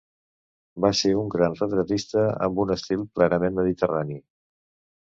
Va ser un gran retratista, amb un estil plenament mediterrani.